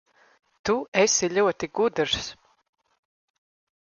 Tu esi ļoti gudrs.